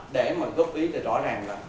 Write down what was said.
để mà góp ý rõ ràng là